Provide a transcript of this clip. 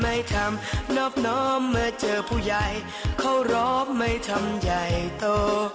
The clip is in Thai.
ไม่ทำนอบน้อมเมื่อเจอผู้ใหญ่เขารอไม่ทำใหญ่โต